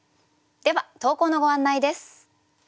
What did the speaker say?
では投稿のご案内です。